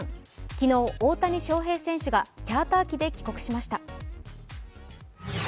昨日、大谷翔平選手がチャーター機で帰国しました。